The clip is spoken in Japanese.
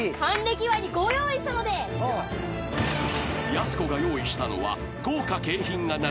［やす子が用意したのは］